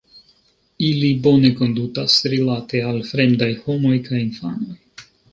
Ili bone kondutas rilate al fremdaj homoj kaj infanoj.